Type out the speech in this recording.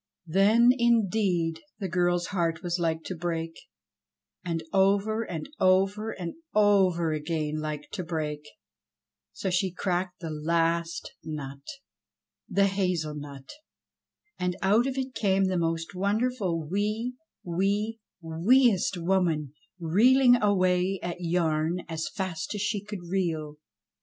Then, indeed, the girl's heart was like to break, and over and over and over again, like to break, so she cracked the last nut — the hazel nut — and out of it came the most wonderful wee, wee, wee est woman reeling away at yarn as fast as she could reel.